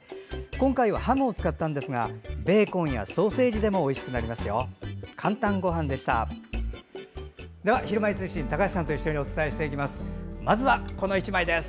今回はハムを使ったんですがベーコンやソーセージでもおいしいです。